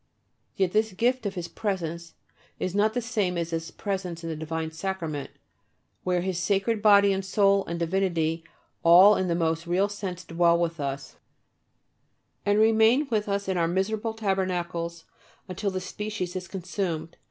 Yet this gift of His presence is not the same as His presence in the divine Sacrament, where His Sacred Body and Soul and Divinity all in the most real sense dwell with us, and remain with us in our miserable tabernacles until the species is consumed.